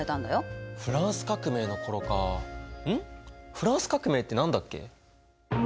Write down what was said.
フランス革命って何だっけ？